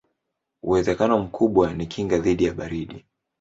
Uwezekano mkubwa ni kinga dhidi ya baridi.